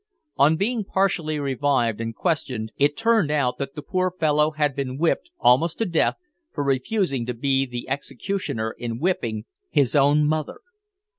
On being partially revived and questioned, it turned out that the poor fellow had been whipped almost to death for refusing to be the executioner in whipping his own mother.